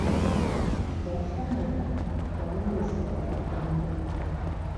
Baffaaza baweereza ba Katonda.